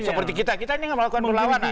seperti kita kita ini yang melakukan melawan